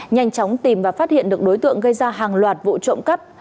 nhanh chóng tìm và phát hiện được đối tượng gây ra hàng loạt vụ trộm cắp